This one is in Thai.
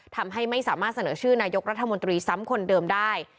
ทำให้ไม่สามารถเสนอชื่อนายกรัฐมนตรีซ้ำคนเดิมได้